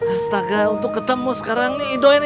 astaga untuk ketemu sekarang ini doy